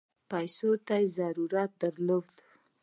پیسو ته ضرورت درلود.